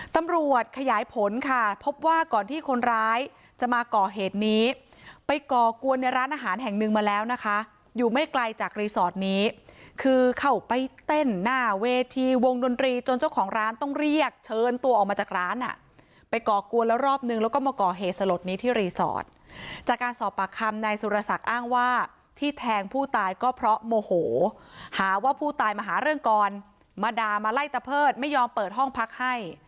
ตำรวจขยายผลค่ะพบว่าก่อนที่คนร้ายจะมาก่อเหตุนี้ไปก่อกวนในร้านอาหารแห่งนึงมาแล้วนะคะอยู่ไม่ไกลจากรีสอร์ทนี้คือเข้าไปเต้นหน้าเวทีวงดนตรีจนเจ้าของร้านต้องเรียกเชิญตัวออกมาจากร้านอ่ะไปก่อกวนแล้วรอบนึงแล้วก็มาก่อเหตุสลดนี้ที่รีสอร์ทจากการสอบปากคำนายสุรษะอ้างว่าที่แทงผู้ตายก็เพรา